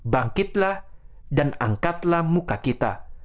bangkitlah dan angkatlah muka kita